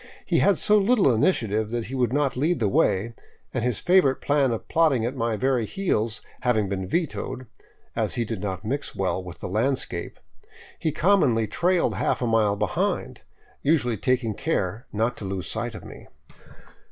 He had so little initiative that he would not lead the way, and his favorite plan of plodding at my very heels having been vetoed, as he did not mix well with the landscape, he commonly trailed a half mile behind, usually taking care not to lose sight of me.